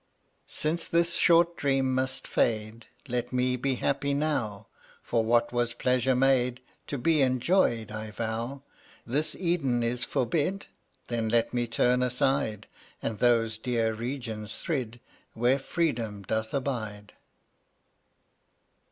127 Since this short dream must fade, Let me be happy now. For what was pleasure made? To be enjoyed, I vow. This Eden is forbid? Then let me turn aside And those dear regions thrid Where Freedom doth abide.